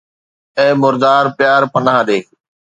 اي مردار پيار، پناهه ڏي